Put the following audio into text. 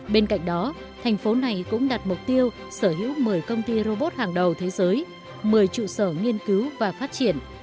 bên cạnh đó thành phố này cũng đặt mục tiêu sở hữu một mươi công ty robot hàng đầu thế giới một mươi trụ sở nghiên cứu và phát triển